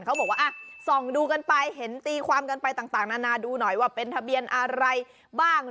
เขาบอกว่าส่องดูกันไปเห็นตีความกันไปต่างนานาดูหน่อยว่าเป็นทะเบียนอะไรบ้าง